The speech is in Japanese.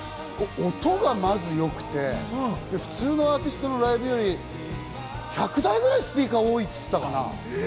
音がまず良くて、普通のアーティストのライブより１００台くらいスピーカーを多いって言ってたかな？